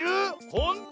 ほんと⁉